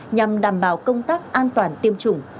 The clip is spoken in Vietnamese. nhằm đảm bảo công tác an toàn tiêm chủng